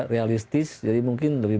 realistis jadi mungkin lebih